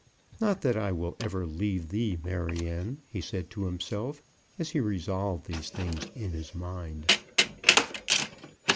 "Not that I will ever leave thee, Maryanne," he said to himself, as he resolved these things in his mind.